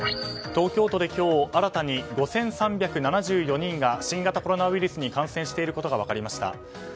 東京都で今日新たに５３７４人が新型コロナウイルスに感染していることが分かりました。